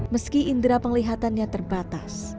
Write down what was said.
meski indera penglihatannya terbatas